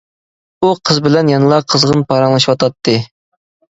ئۇ قىز بىلەن يەنىلا قىزغىن پاراڭلىشىۋاتاتتى.